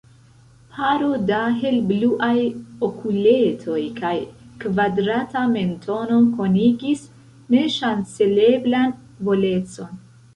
Paro da helbluaj okuletoj kaj kvadrata mentono konigis neŝanceleblan volecon.